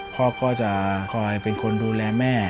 พ่อก็จะคอยเป็นคนดูแลแม่